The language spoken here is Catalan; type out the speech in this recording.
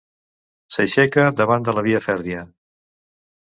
S'aixeca davant de la via fèrria.